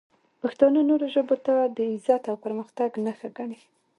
پښتانه نورو ژبو ته د عزت او پرمختګ نښه ګڼي.